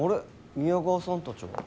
宮川さんたちは？